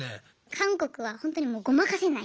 韓国はほんとにもうごまかせない。